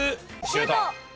シュート！